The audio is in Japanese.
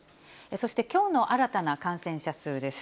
そして、きょうの新たな感染者数です。